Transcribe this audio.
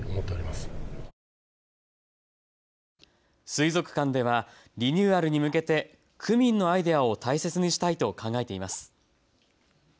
水族館ではリニューアルに向けて区民のアイデアを大切にしたいと考えています。